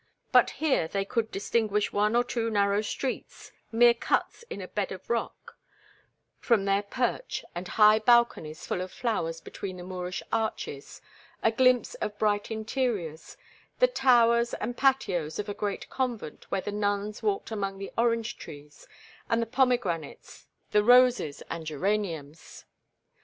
But here they could distinguish one or two narrow streets, mere cuts in a bed of rock, from their perch, and high balconies full of flowers between the Moorish arches, a glimpse of bright interiors, the towers and patios of a great convent where the nuns walked among the orange trees and the pomegranates, the roses and geraniums.